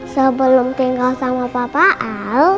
sebelum tinggal sama bapak a